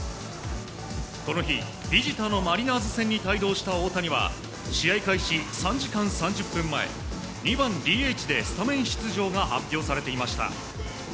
この日、ビジターのマリナーズ戦に帯同した大谷は、試合開始３時間３０分前、２番ＤＨでスタメン出場が発表されていました。